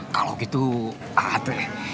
kalau gitu a a t